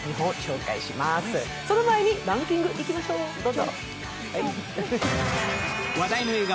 その前にランキングいきましょう。